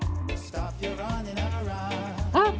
あっ！